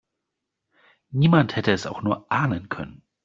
Niemand hätte es auch nur ahnen können.